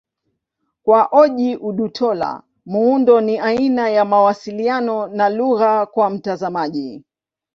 Kwa Ojih Odutola, muundo ni aina ya mawasiliano na lugha kwa mtazamaji.